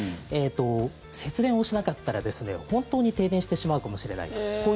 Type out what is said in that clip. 節電をしなかったら本当に停電してしまうかもしれないと。